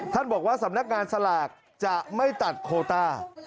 บอกว่าสำนักงานสลากจะไม่ตัดโคต้า